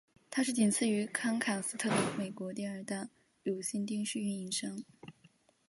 它是仅此于康卡斯特的美国第二大有线电视运营商。